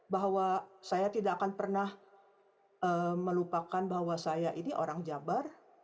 bahwa saya tidak akan pernah melupakan bahwa saya ini orang jabar